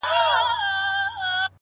نیک چلند د دوستۍ فضا پیاوړې کوي!